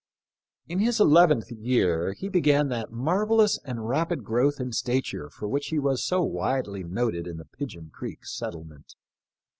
In his eleventh year he began that marvellous and rapid growth in stature for which he was so widely noted in the Pigeon creek settlement.